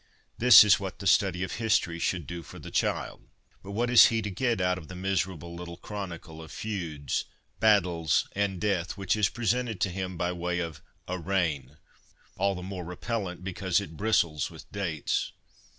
This is what the study of history should do for the child ; but what is he to get out of the miser able little chronicle of feuds, battles, and death which is presented to him by way of ' a reign ' all the more repellent because it bristles with dates